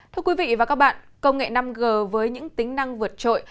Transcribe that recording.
thưa quý vị và các bạn công nghệ năm g với những tính năng vượt trội